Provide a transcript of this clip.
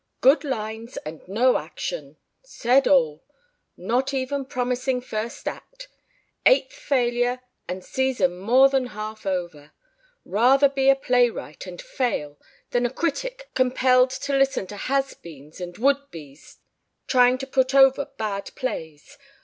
... Good lines and no action ... said all ... not even promising first act ... eighth failure and season more than half over ... rather be a playwright and fail than a critic compelled to listen to has beens and would bes trying to put over bad plays.